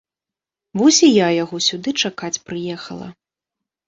Вось і я яго сюды чакаць прыехала.